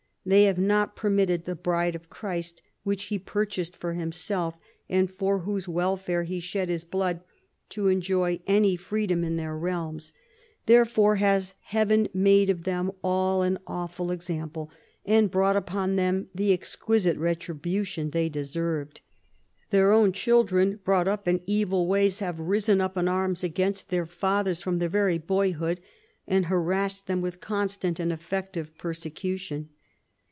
They have not permitted the bride of Christ, which He purchased for Himself, and for whose welfare He shed His blood, to enjoy any freedom in their realms. 220 PHILIP AUGUSTUS chap. Therefore has Heaven made of them all an awful example, and brought upon them the exquisite re tribution they deserved. Their own children, brought up in evil ways, have risen up in arms against their fathers from their very boyhood, and harassed them with constant and effective persecution.